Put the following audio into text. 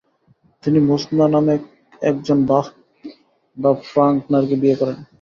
তিনি মুজনা নামক একজন বাস্ক বা ফ্রাঙ্ক নারীকে বিয়ে করেন।